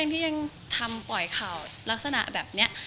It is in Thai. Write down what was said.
ที่ยังทำปล่อยข่าวลักษณะแบบนี้